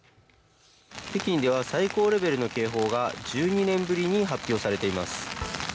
北京では最高レベルの警報が１２年ぶりに発表されています。